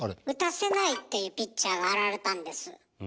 打たせないっていうピッチャーが現れたんです。